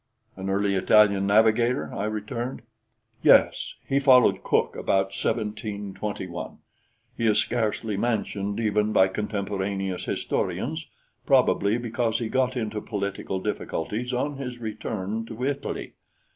"An early Italian navigator?" I returned. "Yes; he followed Cook about 1721. He is scarcely mentioned even by contemporaneous historians probably because he got into political difficulties on his return to Italy.